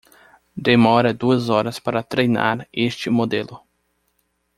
Demora duas horas para treinar este modelo.